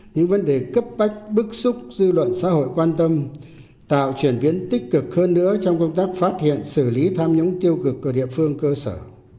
những vấn đề cấp bách bức xúc dư luận xã hội quan tâm tạo chuyển biến tích cực hơn nữa trong công tác phát hiện xử lý tham nhũng tiêu cực của địa phương cơ sở